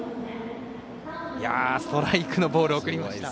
ストライクのボールを送りました。